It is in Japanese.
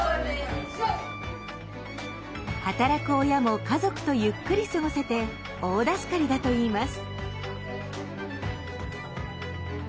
働く親も家族とゆっくり過ごせて大助かりだといいます。